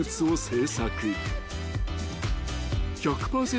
［１００％